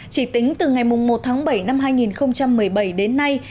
chỉ tính từ ngày một tháng bảy năm hai nghìn một mươi bảy đến nay